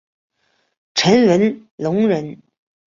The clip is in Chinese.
陈文龙人。